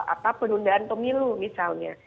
apa penundaan pemilu misalnya